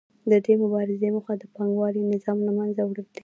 د دې مبارزې موخه د پانګوالي نظام له منځه وړل دي